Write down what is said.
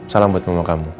salam buat mama kamu